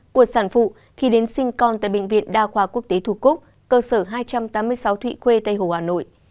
của sản phụ khi đến sinh con tại bệnh viện đa khoa quốc tế thủ cốc cơ sở hai trăm tám mươi sáu thụy quê tây hồ hà nội